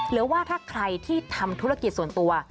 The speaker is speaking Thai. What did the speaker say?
หรือว่าถ้าใครที่ทำธุรกิจส่วนตัว